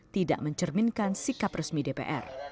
tidak mencerminkan sikap resmi dpr